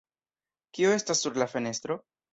Kio estas sur la fenestro?